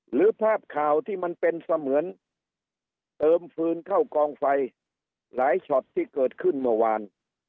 หรือภาพข่าวที่มันเป็นเสมือนเติมฟืนเข้ากองไฟหลายช็อตที่เกิดขึ้นเมื่อวาน